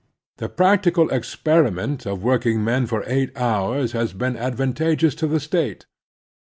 The practical experiment of working men for eight hours has been advantageous to the State.